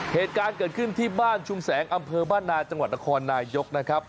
เหตุการณ์เกิดขึ้นที่บ้านชุมแสงอำเภอบ้านนาจังหวัดนครนายกนะครับ